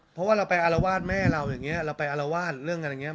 เพราะว่าเราไปอารวาสแม่เราอย่างนี้เราไปอารวาสเรื่องอะไรอย่างนี้